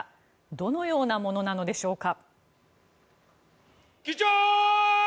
どのようなものなのでしょうか。